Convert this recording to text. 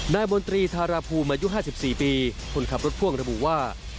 มนตรีธาราภูมิอายุ๕๔ปีคนขับรถพ่วงระบุว่า